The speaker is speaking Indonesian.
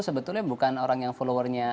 sebetulnya bukan orang yang followernya